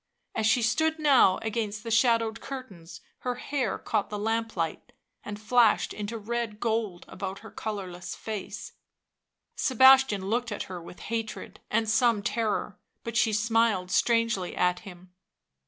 As she stood now against the shadowed curtains her hair caught the lamplight and flashed into red gold about her colourless face; Sebastian looked at her with hatred and some terror, but she smiled strangely at him.